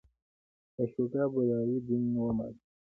اشوکا بودایی دین ومانه.